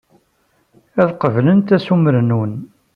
Ad qeblent assumer-nwen.